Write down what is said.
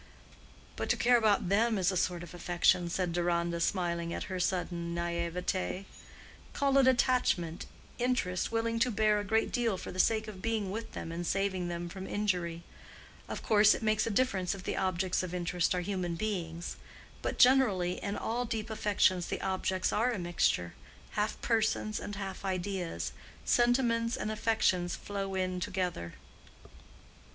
"But to care about them is a sort of affection," said Deronda, smiling at her sudden naïveté. "Call it attachment; interest, willing to bear a great deal for the sake of being with them and saving them from injury. Of course, it makes a difference if the objects of interest are human beings; but generally in all deep affections the objects are a mixture—half persons and half ideas—sentiments and affections flow in together."